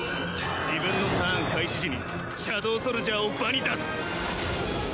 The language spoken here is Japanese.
自分のターン開始時にシャドウソルジャーを場に出す。